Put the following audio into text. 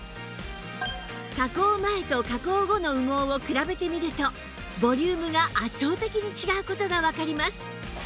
加工前と加工後の羽毛を比べてみるとボリュームが圧倒的に違う事がわかります